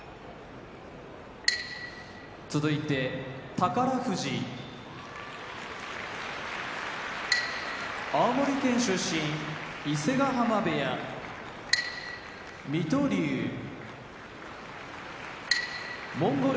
宝富士青森県出身伊勢ヶ濱部屋水戸龍モンゴル